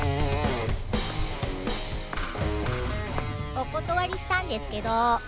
お断りしたんですけど。